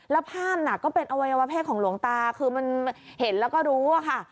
แล้วภาพน่ะก็เป็นอวัยวะเพศของหลวงตาคือมันเห็นแล้วก็รู้อะค่ะ